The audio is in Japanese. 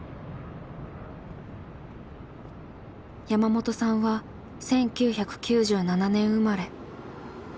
山本さんは１９９７年生まれ。